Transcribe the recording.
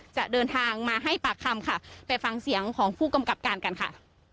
จะเดินทางมาให้ปากคำค่ะไปฟังเสียงของผู้กำกับการกันค่ะ